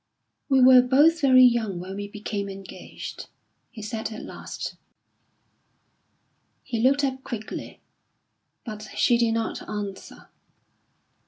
"We were both very young when we became engaged," he said at last. He looked up quickly, but she did not answer.